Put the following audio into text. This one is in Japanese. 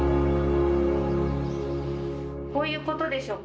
こういうことでしょうか？